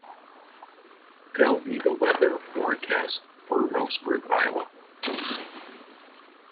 Tell me the weather forecast for Roseburg, Iowa